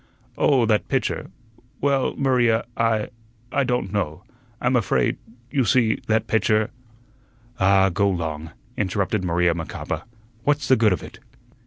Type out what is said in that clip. "Oh, that pitcher well, Maria, I I don't know. I'm afraid you see, that pitcher " "Ah, go 'long," interrupted Maria Macapa, "what's the good of it?"